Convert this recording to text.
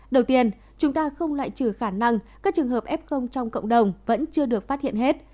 đầu tiên chúng ta không lại trừ khả năng các trường hợp f trong cộng đồng vẫn chưa được phát hiện hết